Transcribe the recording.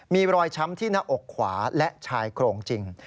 มีรอยช้ำที่หน้าอกขวาและชายโครงจริง